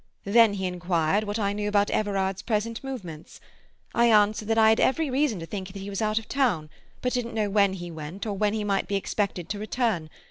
Then he inquired what I knew about Everard's present movements. I answered that I had every reason to think that he was out of town, but didn't know when he went, or when he might be expected to return.